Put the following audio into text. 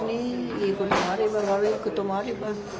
いいこともあれば悪いこともあれば。